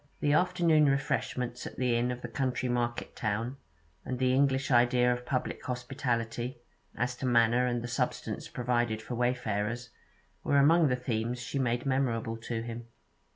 The afternoon refreshments at the inn of the county market town, and the English idea of public hospitality, as to manner and the substance provided for wayfarers, were among the themes she made memorable to him.